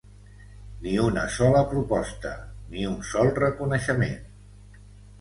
Ni una sola proposta, ni un sol reconeixement.